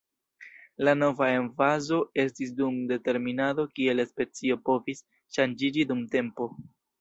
La nova emfazo estis dum determinado kiel specio povis ŝanĝiĝi dum tempo.